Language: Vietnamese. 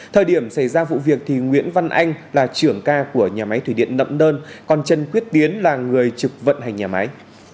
thời điểm xảy ra vụ việc thì nguyễn văn anh là trưởng ca của nhà máy thủy điện nậm đơn còn trần quyết tiến là người trực vận hành nhà máy